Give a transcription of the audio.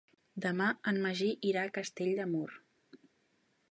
Demà en Magí irà a Castell de Mur.